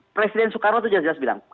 presiden soekarno itu jelas jelas bilang